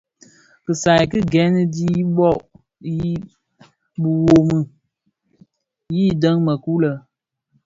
Kisai ki gen dhi bhoo yi biwumi yidèň mëkuu lè.